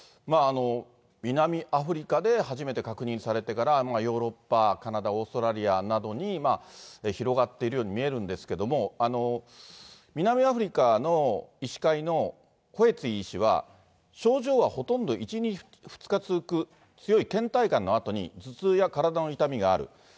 南アフリカで初めて確認されてから、ヨーロッパ、カナダ、オーストラリアなどに、広がっているように見えるんですけれども、南アフリカの医師会のコエツィ医師は症状はほとんど１、２日続く強いけん怠感のあとに頭痛や体の痛みもある。